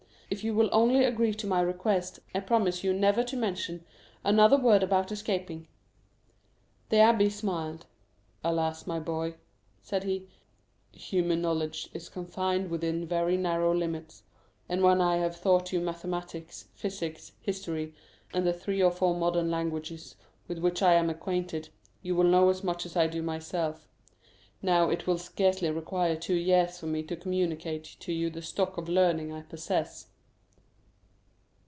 If you will only agree to my request, I promise you never to mention another word about escaping." The abbé smiled. "Alas, my boy," said he, "human knowledge is confined within very narrow limits; and when I have taught you mathematics, physics, history, and the three or four modern languages with which I am acquainted, you will know as much as I do myself. Now, it will scarcely require two years for me to communicate to you the stock of learning I possess."